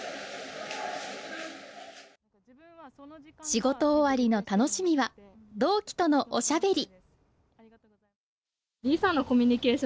仕事終わりの楽しみは同期とのおしゃべり。